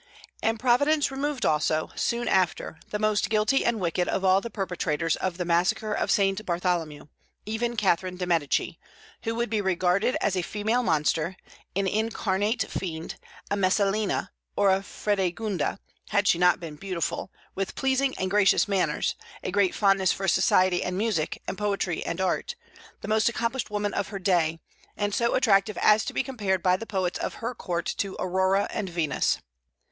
And Providence removed also, soon after, the most guilty and wicked of all the perpetrators of the massacre of St. Bartholomew, even Catherine de Médicis, who would be regarded as a female monster, an incarnate fiend, a Messalina, or a Fredegunda, had she not been beautiful, with pleasing and gracious manners, a great fondness for society and music and poetry and art, the most accomplished woman of her day, and so attractive as to be compared by the poets of her court to Aurora and Venus.